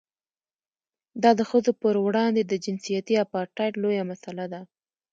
دا د ښځو پر وړاندې د جنسیتي اپارټایډ لویه مسله ده.